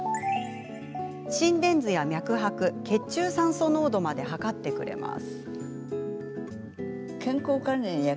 心電図や脈拍、血中酸素濃度まで測ってくれます。